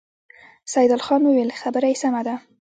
سيدال خان وويل: خبره يې سمه ده.